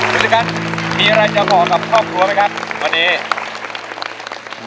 ฤกันมีอะไรจะบอกกับครอบครัวไหมครับวันนี้